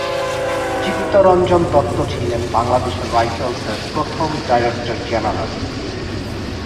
চিত্ত রঞ্জন দত্ত ছিলেন বাংলাদেশ রাইফেলসের প্রথম ডাইরেক্টর জেনারেল।